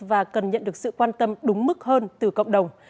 và cần nhận được sự quan tâm đúng mức hơn từ cộng đồng